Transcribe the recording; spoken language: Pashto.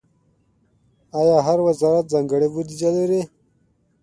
آیا هر وزارت ځانګړې بودیجه لري؟